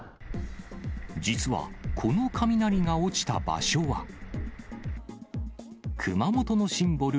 実は、この雷が落ちた場所は、熊本のシンボル、